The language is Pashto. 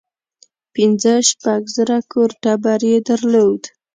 پنځه شپږ زره کور ټبر یې درلود.